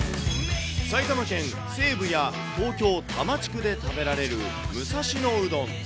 埼玉県西部や、東京多摩地区で食べられる武蔵野うどん。